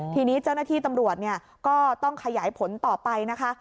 ทีนี้เจ้าหน้าที่ตำรวจก็ต้องขยายผลต่อไปนะคะ